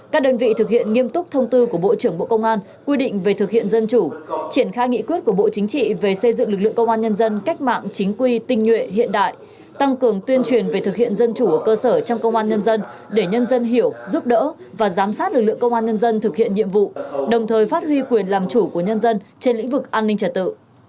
các đơn vị thực hiện nghiêm túc thông tư của bộ trưởng bộ công an quy định về thực hiện dân chủ triển khai nghị quyết của bộ chính trị về xây dựng lực lượng công an nhân dân cách mạng chính quy tinh nhuệ hiện đại tăng cường tuyên truyền về thực hiện dân chủ ở cơ sở trong công an nhân dân để nhân dân hiểu giúp đỡ và giám sát lực lượng công an nhân dân thực hiện nhiệm vụ đồng thời phát huy quyền làm chủ của nhân dân trên lĩnh vực an ninh trả tự